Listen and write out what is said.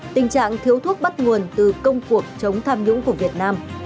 tình trạng thiếu thuốc bắt nguồn từ công cuộc chống tham nhũng của việt nam